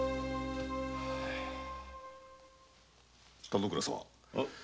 田之倉様